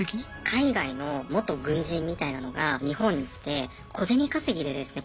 海外の元軍人みたいなのが日本に来て小銭稼ぎでですね